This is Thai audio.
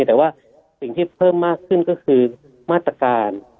แต่ว่าสิ่งที่เพิ่มมากขึ้นก็คือมาตรการ